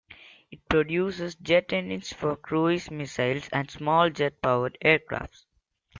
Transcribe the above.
It produces jet engines for cruise missiles and small jet-powered aircraft.